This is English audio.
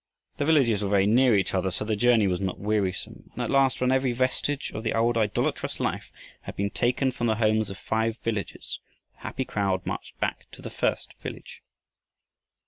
The villages were very near each other, so the journey was not wearisome; and at last when every vestige of the old idolatrous life had been taken from the homes of five villages, the happy crowd marched back to the first village.